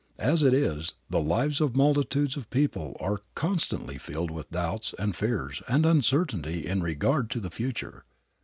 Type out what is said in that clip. As it is the lives of multitudes of people are constantly filled with doubts and fears and uncertainty in regard to the future.